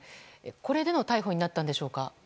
これでの逮捕になったのでしょうか。